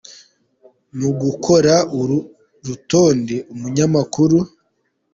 Mu gukora uru rutonde umunyamakuru.